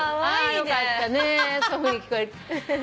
よかったそういうふうに聞こえる。